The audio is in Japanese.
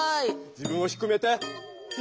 自分を低めて低い！